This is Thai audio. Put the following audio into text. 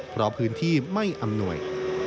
เพราะพื้นที่ไม่อำนวย